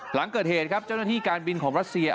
หลังเกิดเหตุครับเจ้าหน้าที่การบินของรัสเซีย